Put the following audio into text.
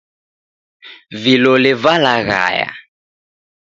Vilole valaghaya.